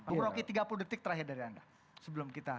bumroki tiga puluh detik terakhir dari anda sebelum kita